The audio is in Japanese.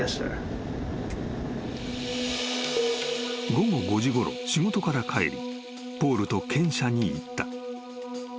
［午後５時ごろ仕事から帰りポールと犬舎に行った］